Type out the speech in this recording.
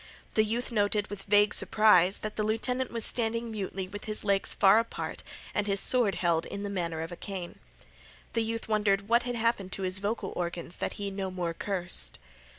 The youth noted with vague surprise that the lieutenant was standing mutely with his legs far apart and his sword held in the manner of a cane. The youth wondered what had happened to his vocal organs that he no more cursed.